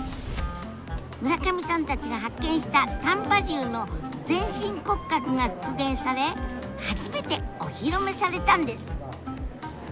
村上さんたちが発見した丹波竜の全身骨格が復元され初めてお披露目されたんです。